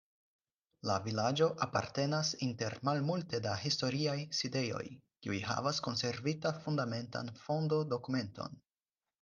La vilaĝo apartenas inter malmulte da historiaj sidejoj, kiuj havas konservita fundamentan fondo-dokumenton.